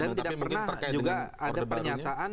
dan tidak pernah juga ada pernyataan